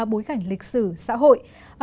bối cảnh lịch sử xã hội